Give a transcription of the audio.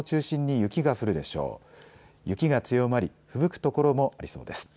雪が強まり、ふぶく所もありそうです。